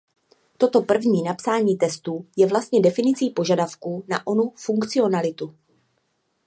Toto první napsání testů je vlastně definicí požadavků na onu funkcionalitu.